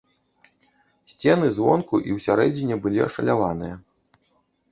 Сцены звонку і ўсярэдзіне былі ашаляваныя.